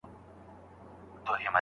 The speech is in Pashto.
د لیوني طلاق ولي صحت نه لري؟